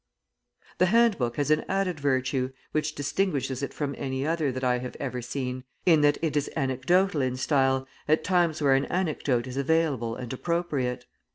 The hand book has an added virtue, which distinguishes it from any other that I have ever seen, in that it is anecdotal in style at times where an anecdote is available and appropriate.